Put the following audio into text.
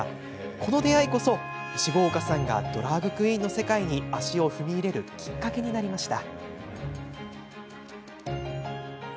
この出会いこそ、石郷岡さんがドラァグクイーンの世界に足を踏み入れるきっかけになりました。